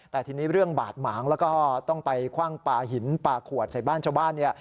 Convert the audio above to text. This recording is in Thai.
แต่ทีนี้เรื่องบาดหมางแล้วก็ต้องไปคว่างปลาหินปลาขวดใส่บ้านชาวบ้านเนี่ย